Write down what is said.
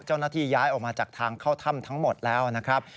เจ้าหน้าที่ย้ายออกมาจากทางเข้าถ้ำทั้งหมดแล้วนะครับ